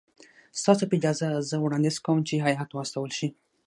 ستاسو په اجازه زه وړاندیز کوم چې هیات واستول شي.